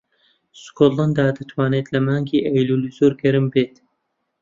سکۆتلاند دەتوانێت لە مانگی ئەیلوول زۆر گەرم بێت.